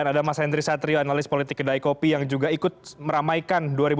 ada mas henry satrio analis politik kedai kopi yang juga ikut meramaikan dua ribu dua puluh